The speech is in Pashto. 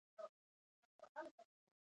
• د ورځې رڼا د ژوند ښکلا ده.